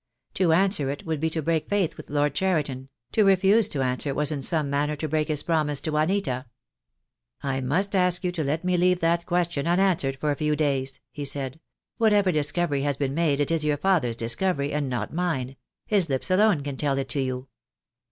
To answer it would be to break faith with Lord Cheriton; to refuse to answer was in some manner to break his promise to Juanita. "I must ask you to let me leave that question un answered for a few days," he said. "Whatever discovery has been made it is your father's discovery, and not mine. His lips alone can tell it to you."